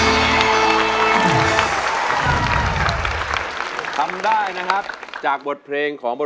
โทษใจโทษใจโทษใจโทษใจโทษใจโทษใจโทษใจโทษใจโทษใจ